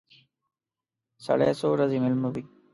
سړی څو ورځې مېلمه وي.